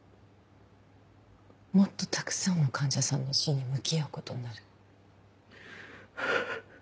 もっとたくさんの患者さんの死に向き合うことになる。